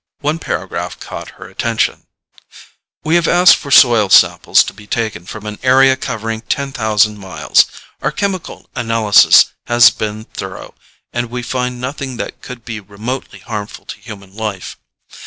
One paragraph caught her attention, "We have asked for soil samples to be taken from an area covering ten thousand square miles. Our chemical analysis has been thorough, and we find nothing that could be remotely harmful to human life.